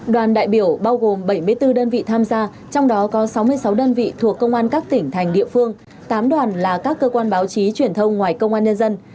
đoàn đại biểu bao gồm bảy mươi bốn đơn vị tham gia trong đó có sáu mươi sáu đơn vị thuộc công an các tỉnh thành địa phương tám đoàn là các cơ quan báo chí truyền thông ngoài công an nhân dân